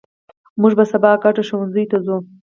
مونږ به سبا ګډ ښوونځي ته ځو